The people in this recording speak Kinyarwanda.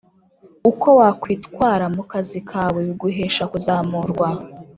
uko wakwitwara mu kazi kawe biguhesha kuzamurwa